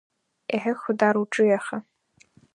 Еҳе, Хьудар, уҿыҩаха!